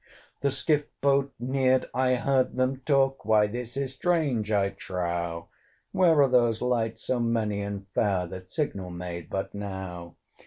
The skiff boat neared: I heard them talk, "Why this is strange, I trow! Where are those lights so many and fair, That signal made but now?"